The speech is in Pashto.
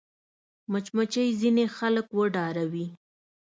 مچمچۍ ځینې خلک وډاروي